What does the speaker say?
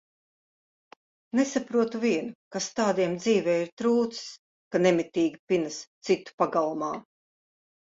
Nesaprotu vienu, kas tādiem dzīvē ir trūcis, ka nemitīgi pinas citu pagalmā?